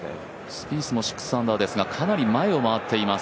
スピースも６アンダーですがかなり前を回っています。